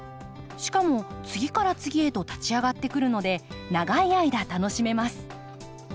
しかも次から次へと立ち上がってくるので長い間楽しめます。